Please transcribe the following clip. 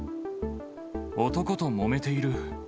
男ともめている。